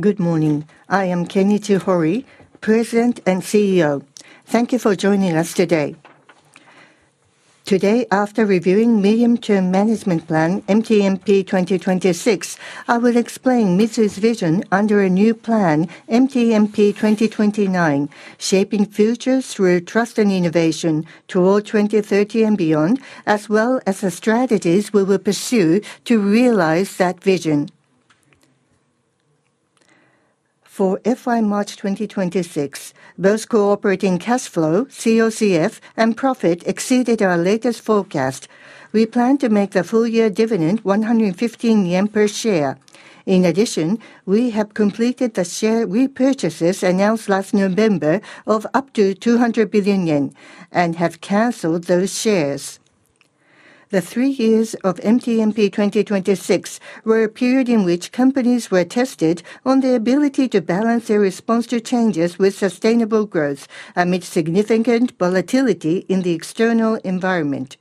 Good morning. I am Kenichi Hori, President and CEO. Thank you for joining us today. Today, after reviewing medium-term management plan, MTMP 2026, I will explain Mitsui's vision under a new plan, MTMP 2029, Shaping Futures Through Trust and Innovation toward 2030 and beyond, as well as the strategies we will pursue to realize that vision. For FY 2026, both Core Operating Cash Flow, COCF, and profit exceeded our latest forecast. We plan to make the full year dividend 115 yen per share. In addition, we have completed the share repurchases announced last November of up to 200 billion yen and have canceled those shares. The three years of MTMP 2026 were a period in which companies were tested on their ability to balance their response to changes with sustainable growth amid significant volatility in the external environment.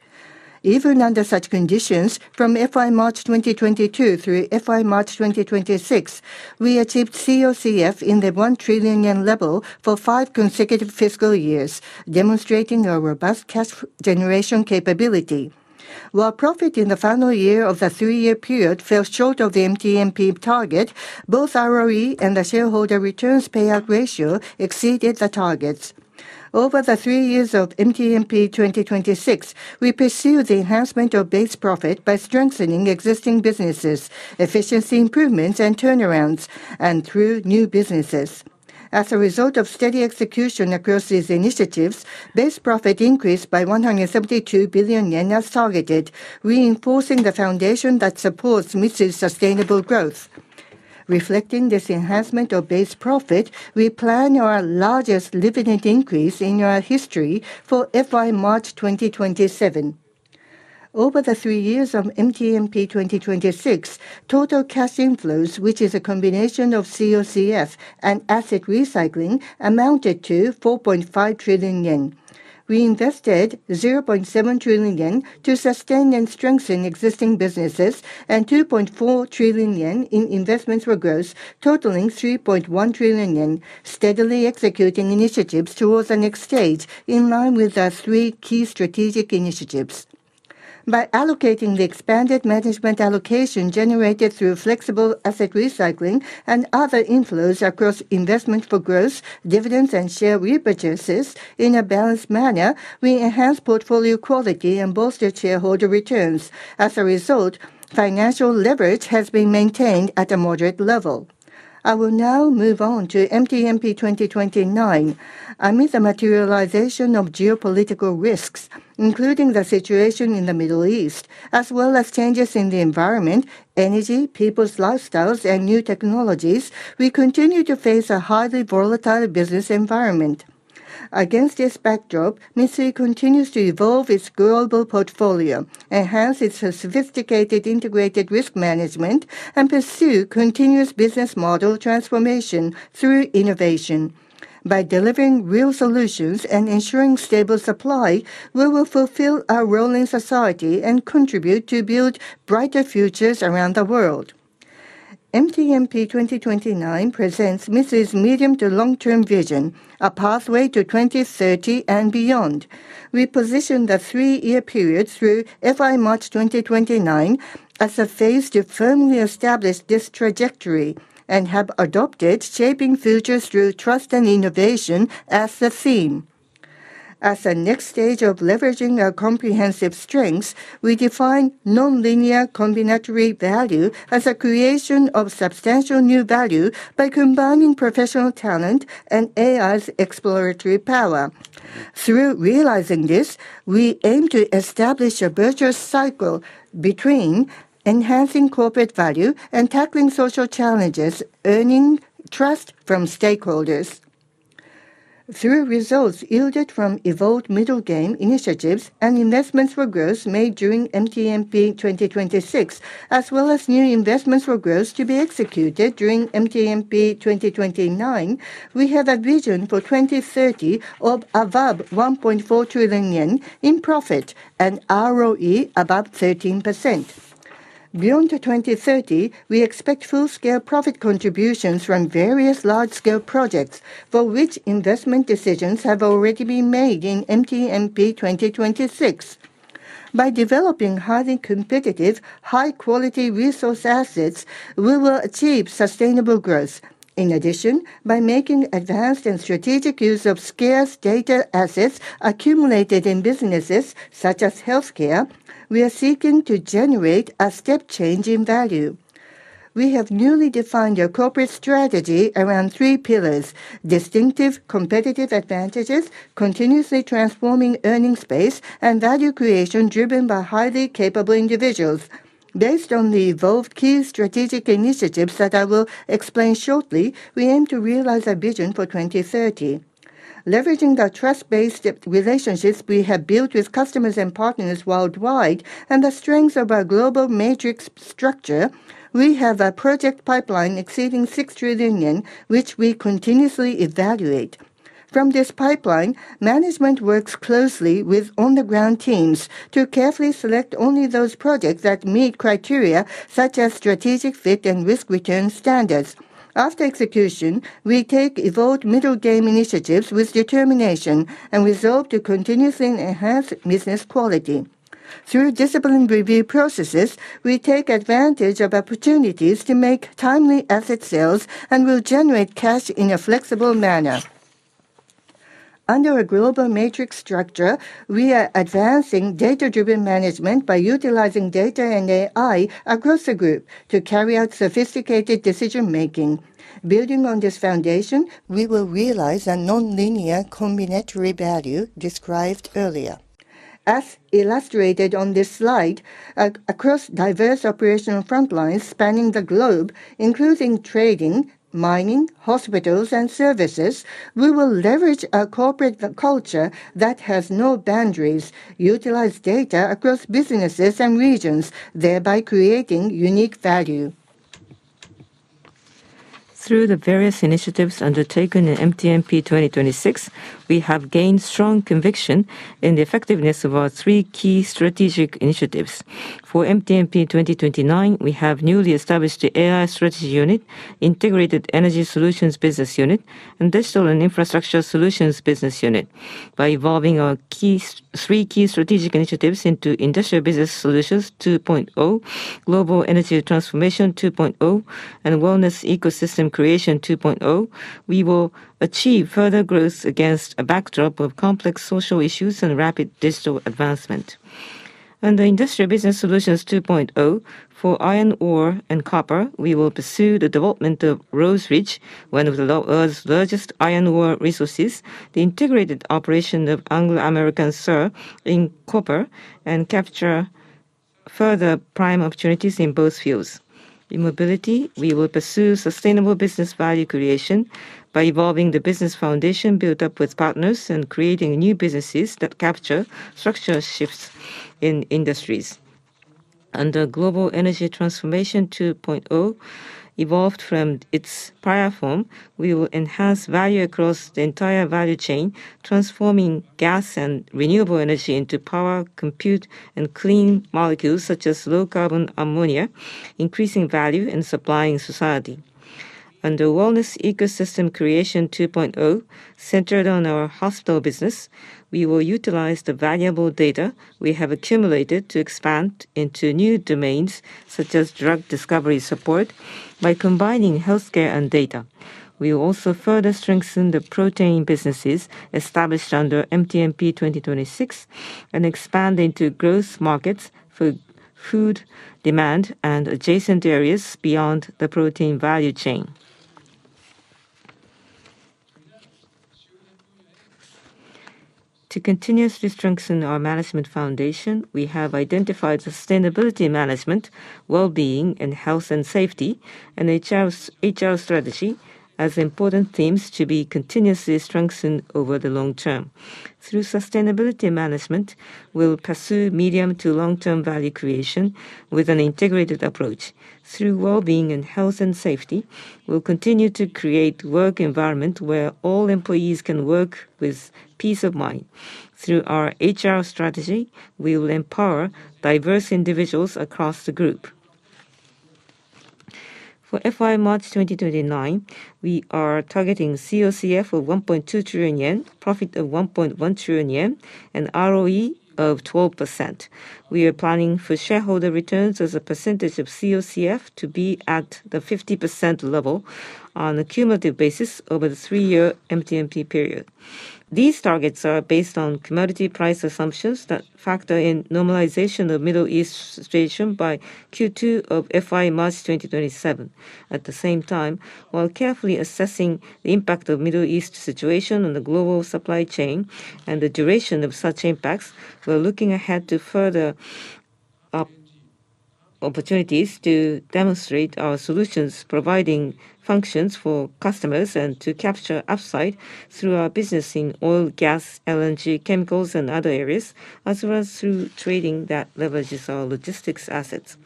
Even under such conditions, from FY March 2022 through FY March 2026, we achieved COCF in the 1 trillion yen level for five consecutive fiscal years, demonstrating our robust cash generation capability. While profit in the final year of the three-year period fell short of the MTMP target, both ROE and the shareholder returns payout ratio exceeded the targets. Over the three years of MTMP 2026, we pursue the enhancement of base profit by strengthening existing businesses, efficiency improvements and turnarounds, and through new businesses. As a result of steady execution across these initiatives, base profit increased by 172 billion yen as targeted, reinforcing the foundation that supports Mitsui's sustainable growth. Reflecting this enhancement of base profit, we plan our largest dividend increase in our history for FY March 2027. Over the three years of MTMP 2026, total cash inflows, which is a combination of COCF and asset recycling, amounted to 4.5 trillion yen. We invested 0.7 trillion yen to sustain and strengthen existing businesses and 2.4 trillion yen in investments for growth, totalling 3.1 trillion yen, steadily executing initiatives towards the next stage in line with our three key strategic initiatives. By allocating the expanded management allocation generated through flexible asset recycling and other inflows across investments for growth, dividends, and share repurchases in a balanced manner, we enhance portfolio quality and bolster shareholder returns. As a result, financial leverage has been maintained at a moderate level. I will now move on to MTMP 2029. Amidst the materialization of geopolitical risks, including the situation in the Middle East, as well as changes in the environment, energy, people's lifestyles, and new technologies, we continue to face a highly volatile business environment. Against this backdrop, Mitsui continues to evolve its global portfolio, enhance its sophisticated integrated risk management, and pursue continuous business model transformation through innovation. By delivering real solutions and ensuring stable supply, we will fulfill our role in society and contribute to build brighter futures around the world. MTMP 2029 presents Mitsui's medium to long-term vision, a pathway to 2030 and beyond. We position the three-year period through FY March 2029 as a phase to firmly establish this trajectory and have adopted Shaping Futures Through Trust and Innovation as the theme. As a next stage of leveraging our comprehensive strengths, we define Nonlinear Combinatory Value as a creation of substantial new value by combining professional talent and AI's exploratory power. Through realizing this, we aim to establish a virtuous cycle between enhancing corporate value and tackling social challenges, earning trust from stakeholders. Through results yielded from Evolved Middle Game initiatives and investments for growth made during MTMP 2026, as well as new investments for growth to be executed during MTMP 2029, we have a vision for 2030 of above 1.4 trillion yen in profit and ROE above 13%. Beyond 2030, we expect full-scale profit contributions from various large-scale projects for which investment decisions have already been made in MTMP 2026. By developing highly competitive, high-quality resource assets, we will achieve sustainable growth. In addition, by making advanced and strategic use of scarce data assets accumulated in businesses such as healthcare, we are seeking to generate a step change in value. We have newly defined our corporate strategy around 3 pillars: distinctive competitive advantages, continuously transforming earning space, and value creation driven by highly capable individuals. Based on the evolved key strategic initiatives that I will explain shortly, we aim to realize our vision for 2030. Leveraging the trust-based relationships we have built with customers and partners worldwide and the strength of our global matrix structure, we have a project pipeline exceeding 6 trillion yen, which we continuously evaluate. From this pipeline, management works closely with on-the-ground teams to carefully select only those projects that meet criteria such as strategic fit and risk return standards. After execution, we take evolved Middle Game initiatives with determination and resolve to continuously enhance business quality. Through disciplined review processes, we take advantage of opportunities to make timely asset sales and will generate cash in a flexible manner. Under a global matrix structure, we are advancing data-driven management by utilizing data and AI across the group to carry out sophisticated decision-making. Building on this foundation, we will realize a Nonlinear Combinatory Value described earlier. As illustrated on this slide, across diverse operational front lines spanning the globe, including trading, mining, hospitals, and services, we will leverage a corporate culture that has no boundaries, utilize data across businesses and regions, thereby creating unique value. Through the various initiatives undertaken in MTMP 2026, we have gained strong conviction in the effectiveness of our three key strategic initiatives. For MTMP 2029, we have newly established the AI Strategy Unit, Integrated Energy Solutions Business Unit, and Digital & Infrastructure Solutions Business Unit. By evolving our three key strategic initiatives into Industrial Business Solutions 2.0, Global Energy Transformation 2.0, and Wellness Ecosystem Creation 2.0, we will achieve further growth against a backdrop of complex social issues and rapid digital advancement. Under Industrial Business Solutions 2.0, for iron ore and copper, we will pursue the development of Rhodes Ridge, one of Earth's largest iron ore resources, the integrated operation of Anglo American Sur in copper, and capture further prime opportunities in both fields. In mobility, we will pursue sustainable business value creation by evolving the business foundation built up with partners and creating new businesses that capture structural shifts in industries. Under Global Energy Transformation 2.0, evolved from its prior form, we will enhance value across the entire value chain, transforming gas and renewable energy into power, compute, and clean molecules such as low-carbon ammonia, increasing value and supplying society. Under Wellness Ecosystem Creation 2.0, centered on our hospital business, we will utilize the valuable data we have accumulated to expand into new domains, such as drug discovery support, by combining healthcare and data. We will also further strengthen the protein businesses established under MTMP 2026 and expand into growth markets for food demand and adjacent areas beyond the protein value chain. To continuously strengthen our management foundation, we have identified sustainability management, wellbeing and health and safety, and HR strategy as important themes to be continuously strengthened over the long term. Through sustainability management, we'll pursue medium to long-term value creation with an integrated approach. Through wellbeing and health and safety, we'll continue to create work environment where all employees can work with peace of mind. Through our HR strategy, we will empower diverse individuals across the group. For FY March 2029, we are targeting COCF of 1.2 trillion yen, profit of 1.1 trillion yen, and ROE of 12%. We are planning for shareholder returns as a percentage of COCF to be at the 50% level on a cumulative basis over the three-year MTMP period. These targets are based on commodity price assumptions that factor in normalization of Middle East situation by Q2 of FY March 2027. At the same time, while carefully assessing the impact of Middle East situation on the global supply chain and the duration of such impacts, we're looking ahead to further up opportunities to demonstrate our solutions, providing functions for customers and to capture upside through our business in oil, gas, LNG, Chemicals and other areas, as well as through trading that leverages our logistics assets.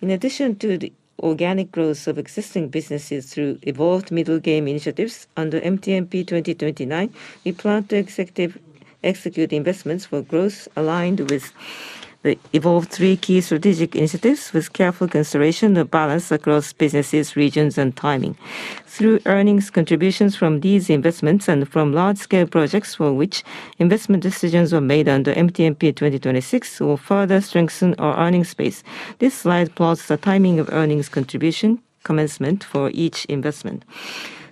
In addition to the organic growth of existing businesses through evolved Middle Game initiatives, under MTMP 2029, we plan to execute investments for growth aligned with the evolved Three Key Strategic Initiatives with careful consideration of balance across businesses, regions and timing. Through earnings contributions from these investments and from large scale projects for which investment decisions were made under MTMP 2026 will further strengthen our earnings base. This slide plots the timing of earnings contribution commencement for each investment.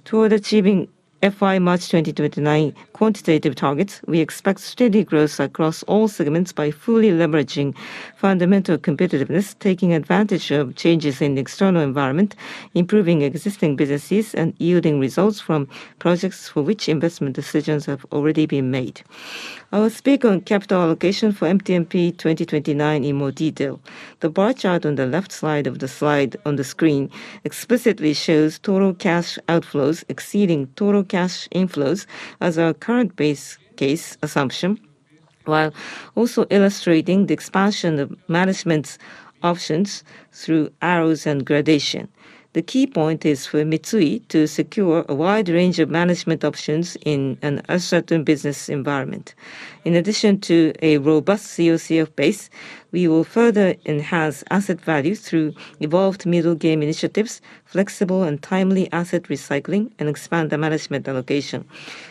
Toward achieving FY March 2029 quantitative targets, we expect steady growth across all segments by fully leveraging fundamental competitiveness, taking advantage of changes in the external environment, improving existing businesses, and yielding results from projects for which investment decisions have already been made. I will speak on capital allocation for MTMP 2029 in more detail. The bar chart on the left side of the slide on the screen explicitly shows total cash outflows exceeding total cash inflows as our current base case assumption, while also illustrating the expansion of management's options through arrows and gradation. The key point is for Mitsui to secure a wide range of management options in an uncertain business environment. In addition to a robust COCF base, we will further enhance asset values through evolved Middle Game initiatives, flexible and timely asset recycling, and expand the management allocation.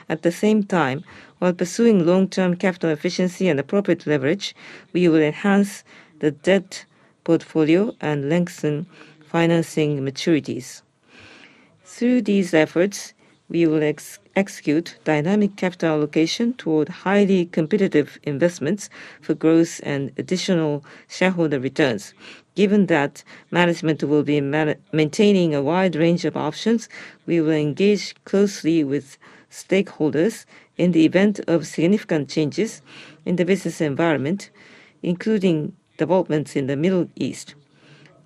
At the same time, while pursuing long-term capital efficiency and appropriate leverage, we will enhance the debt portfolio and lengthen financing maturities. Through these efforts, we will execute dynamic capital allocation toward highly competitive investments for growth and additional shareholder returns. Given that management will be maintaining a wide range of options, we will engage closely with stakeholders in the event of significant changes in the business environment, including developments in the Middle East.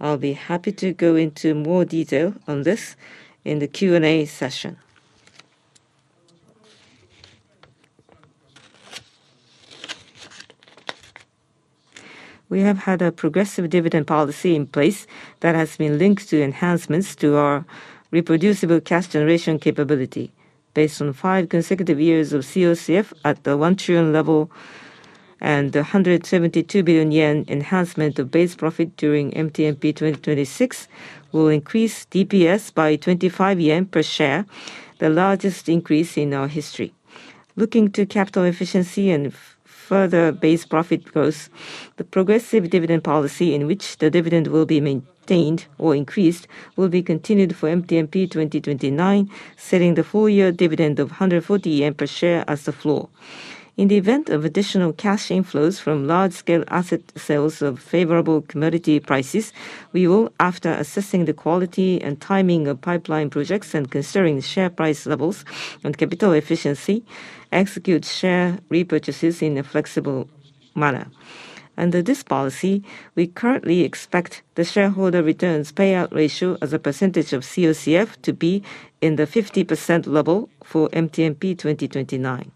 I'll be happy to go into more detail on this in the Q&A session. We have had a progressive dividend policy in place that has been linked to enhancements to our reproducible cash generation capability. Based on five consecutive years of COCF at the 1 trillion level and the 172 billion yen enhancement of base profit during MTMP 2026, we'll increase DPS by 25 yen per share, the largest increase in our history. Looking to capital efficiency and further base profit growth, the progressive dividend policy in which the dividend will be maintained or increased will be continued for MTMP 2029, setting the full year dividend of 140 yen per share as the floor. In the event of additional cash inflows from large-scale asset sales of favorable commodity prices, we will, after assessing the quality and timing of pipeline projects and considering share price levels and capital efficiency, execute share repurchases in a flexible manner. Under this policy, we currently expect the shareholder returns payout ratio as a percentage of COCF to be in the 50% level for MTMP 2029.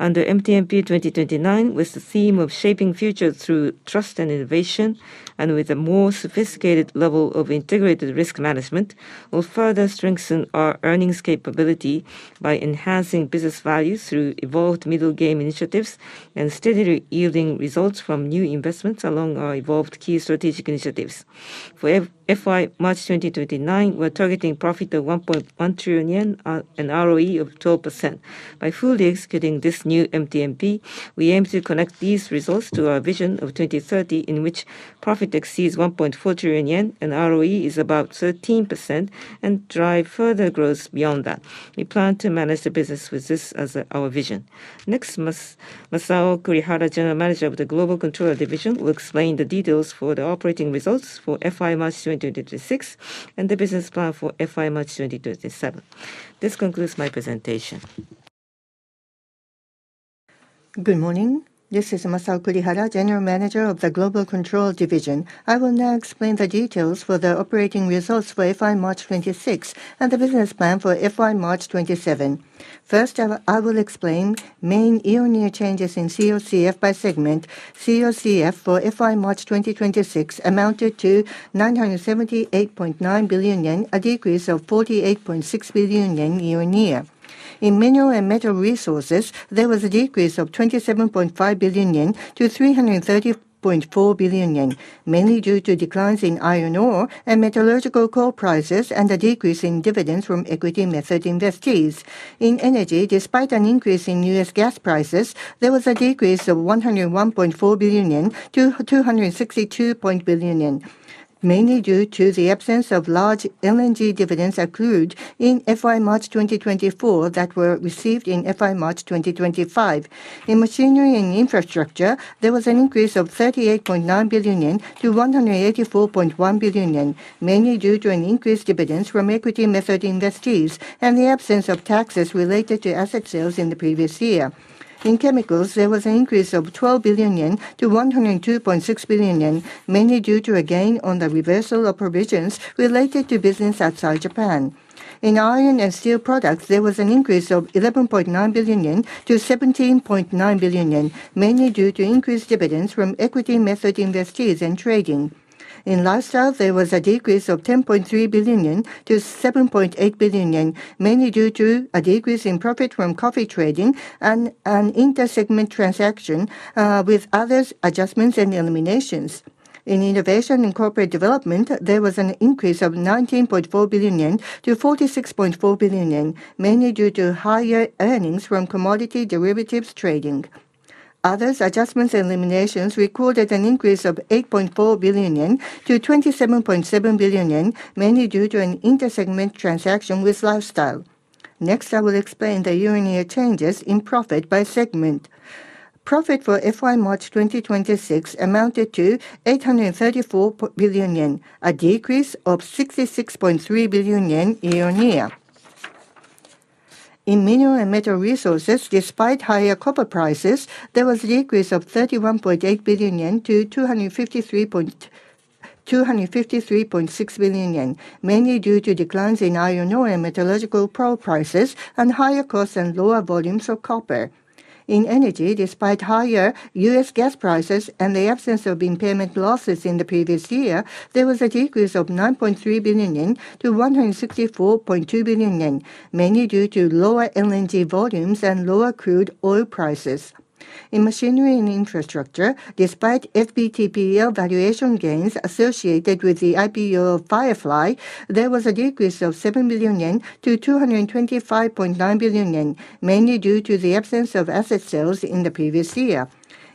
Under MTMP 2029, with the theme of Shaping Futures through Trust and Innovation, and with a more sophisticated level of integrated risk management, we'll further strengthen our earnings capability by enhancing business values through evolved Middle Game initiatives and steadily yielding results from new investments along our evolved key strategic initiatives. For FY March 2029, we're targeting profit of 1.1 trillion yen and ROE of 12%. By fully executing this new MTMP, we aim to connect these results to our vision of 2030, in which profit exceeds 1.4 trillion yen and ROE is about 13% and drive further growth beyond that. We plan to manage the business with this as our vision. Next, Masao Kurihara, General Manager of the Global Controller Division, will explain the details for the operating results for FY March 2026 and the business plan for FY March 2027. This concludes my presentation. Good morning. This is Masao Kurihara, General Manager of the Global Controller Division. I will now explain the details for the operating results for FY March 2026 and the business plan for FY March 2027. First, I will explain main year-on-year changes in COCF by segment. COCF for FY March 2026 amounted to 978.9 billion yen, a decrease of 48.6 billion yen year-on-year. In Mineral & Metal Resources, there was a decrease of 27.5 billion yen - 330.4 billion yen, mainly due to declines in iron ore and metallurgical coal prices and a decrease in dividends from equity method investees. In Energy, despite an increase in US gas prices, there was a decrease of 101.4 billion yen - 262.0 billion yen, mainly due to the absence of large LNG dividends accrued in FY March 2024 that were received in FY March 2025. In Machinery & Infrastructure, there was an increase of 38.9 billion yen - 184.1 billion yen, mainly due to an increased dividends from equity method investees and the absence of taxes related to asset sales in the previous year. In Chemicals, there was an increase of 12 billion yen - 102.6 billion yen, mainly due to a gain on the reversal of provisions related to business outside Japan. In Iron & Steel Products, there was an increase of 11.9 billion-17.9 billion yen, mainly due to increased dividends from equity method investees and trading. In Lifestyle, there was a decrease of 10.3 billion yen- 7.8 billion yen, mainly due to a decrease in profit from coffee trading and an inter-segment transaction with Others, Adjustments and Eliminations. In Innovation & Corporate Development, there was an increase of 19.4 billion yen- 46.4 billion yen, mainly due to higher earnings from commodity derivatives trading. Others, Adjustments and Eliminations, recorded an increase of 8.4 billion yen- 27.7 billion yen, mainly due to an inter-segment transaction with Lifestyle. Next, I will explain the year-on-year changes in profit by segment. Profit for FY 2026 amounted to 834 billion yen, a decrease of 66.3 billion yen year-on-year. In Mineral & Metal Resources, despite higher copper prices, there was a decrease of 31.8 billion yen - JPY 253. 253.6 billion yen, mainly due to declines in iron ore and metallurgical coal prices and higher costs and lower volumes of copper. In Energy, despite higher U.S. gas prices and the absence of impairment losses in the previous year, there was a decrease of 9.3 billion yen - 164.2 billion yen, mainly due to lower LNG volumes and lower crude oil prices. In Machinery & Infrastructure, despite FVTPL valuation gains associated with the IPO of Firefly, there was a decrease of 7 billion yen - 225.9 billion yen, mainly due to the absence of asset sales in the previous year.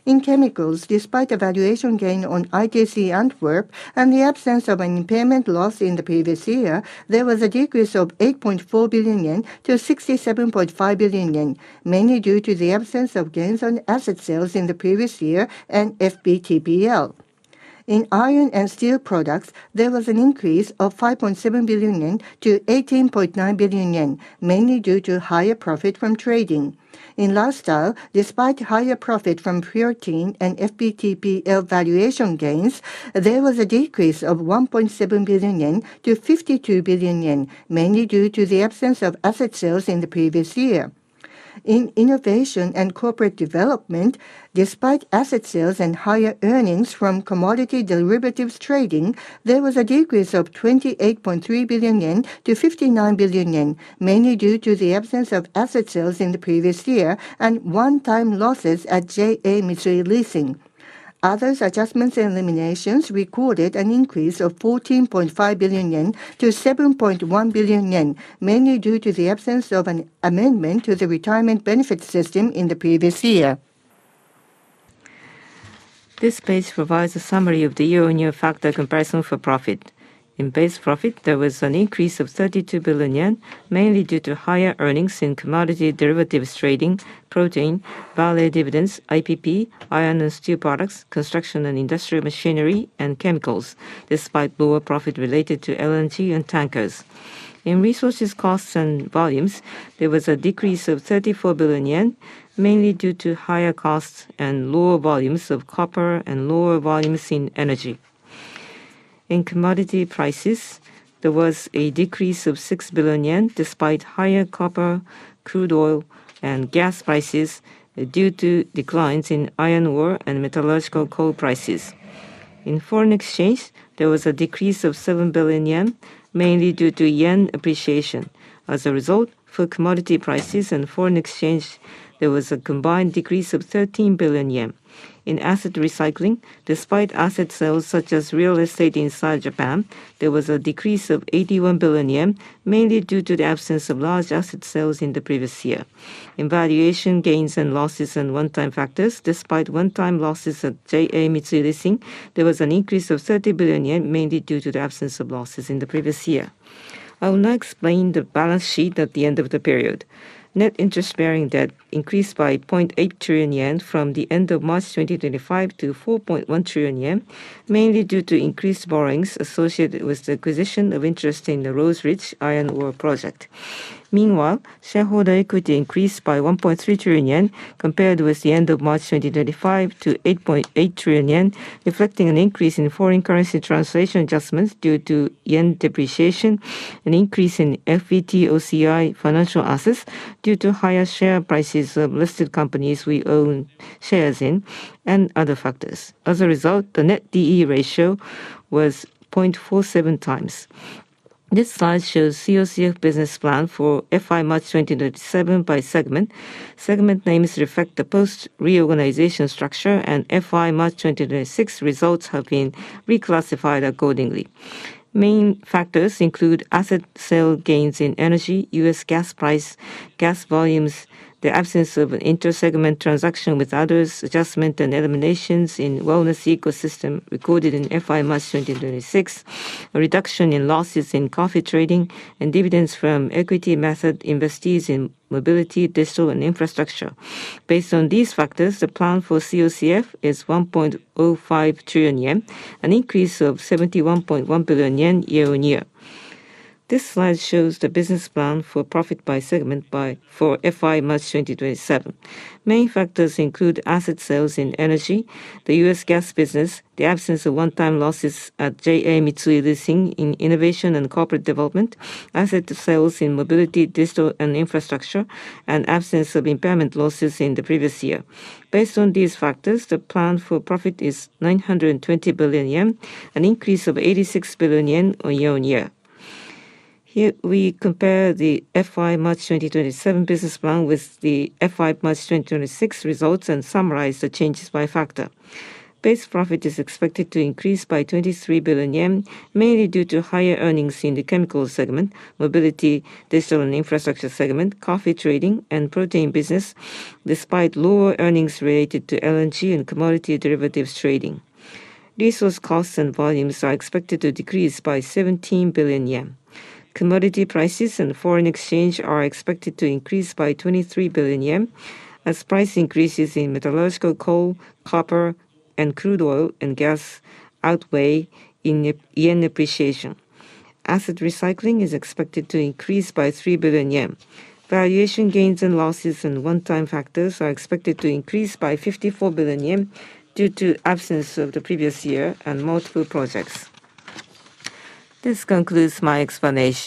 In Chemicals, despite a valuation gain on ITC Antwerp and the absence of an impairment loss in the previous year, there was a decrease of 8.4 billion yen - 67.5 billion yen, mainly due to the absence of gains on asset sales in the previous year and FVTPL. In Iron & Steel Products, there was an increase of 5.7 billion yen - 18.9 billion yen, mainly due to higher profit from trading. In Lifestyle, despite higher profit from Fertin Pharma and FVTPL valuation gains, there was a decrease of 1.7 billion yen - 52 billion yen, mainly due to the absence of asset sales in the previous year. In Innovation & Corporate Development, despite asset sales and higher earnings from commodity derivatives trading, there was a decrease of 28.3 billion yen - 59 billion yen, mainly due to the absence of asset sales in the previous year and one-time losses at JA Mitsui Leasing. Others Adjustments and Eliminations recorded an increase of 14.5 billion yen - 7.1 billion yen, mainly due to the absence of an amendment to the retirement benefit system in the previous year. This page provides a summary of the year-over-year factor comparison for profit. In base profit, there was an increase of 32 billion yen, mainly due to higher earnings in commodity derivatives trading, profit, Vale dividends, IPP, Iron & Steel Products, construction and industrial machinery, and Chemicals, despite lower profit related to LNG and tankers. In resources costs and volumes, there was a decrease of 34 billion yen, mainly due to higher costs and lower volumes of copper and lower volumes in Energy. In commodity prices, there was a decrease of 6 billion yen despite higher copper, crude oil, and gas prices due to declines in iron ore and metallurgical coal prices. In foreign exchange, there was a decrease of 7 billion yen, mainly due to yen appreciation. As a result, for commodity prices and foreign exchange, there was a combined decrease of 13 billion yen. In asset recycling, despite asset sales such as real estate inside Japan, there was a decrease of 81 billion yen, mainly due to the absence of large asset sales in the previous year. In valuation gains and losses and one-time factors, despite one-time losses at JA Mitsui Leasing, there was an increase of 30 billion yen, mainly due to the absence of losses in the previous year. I will now explain the balance sheet at the end of the period. Net interest-bearing debt increased by 0.8 trillion yen from the end of March 2025 to 4.1 trillion yen, mainly due to increased borrowings associated with the acquisition of interest in the Rhodes Ridge Iron Ore Project. Meanwhile, shareholder equity increased by 1.3 trillion yen compared with the end of March 2025 to 8.8 trillion yen, reflecting an increase in foreign currency translation adjustments due to yen depreciation, an increase in FVTOCI financial assets due to higher share prices of listed companies we own shares in, and other factors. As a result, the net D/E ratio was 0.47x. This slide shows COCF business plan for FY March 2027 by segment. Segment names reflect the post-reorganization structure, and FY March 2026 results have been reclassified accordingly. Main factors include asset sale gains in Energy, U.S. gas price, gas volumes, the absence of an inter-segment transaction with Others, Adjustments and Eliminations in Wellness Ecosystem recorded in FY March 2026, a reduction in losses in coffee trading, and dividends from equity method investees in Mobility, Digital & Infrastructure. Based on these factors, the plan for COCF is 1.05 trillion yen, an increase of 71.1 billion yen year-on-year. This slide shows the business plan for profit by segment for FY March 2027. Main factors include asset sales in Energy, the U.S. gas business, the absence of one-time losses at JA Mitsui Leasing in Innovation & Corporate Development, asset sales in Mobility, Digital & Infrastructure, and absence of impairment losses in the previous year. Based on these factors, the plan for profit is 920 billion yen, an increase of 86 billion yen year-on-year. Here we compare the FY March 2027 business plan with the FY March 2026 results and summarize the changes by factor. Base profit is expected to increase by 23 billion yen, mainly due to higher earnings in the Chemicals segment, Mobility, Digital & Infrastructure segment, coffee trading, and protein business, despite lower earnings related to LNG and commodity derivatives trading. Resource costs and volumes are expected to decrease by 17 billion yen. Commodity prices and foreign exchange are expected to increase by 23 billion yen as price increases in metallurgical coal, copper, and crude oil and gas outweigh yen appreciation. Asset recycling is expected to increase by 3 billion yen. Valuation gains and losses and one-time factors are expected to increase by 54 billion yen due to absence of the previous year and multiple projects. This concludes my explanation.